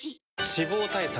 脂肪対策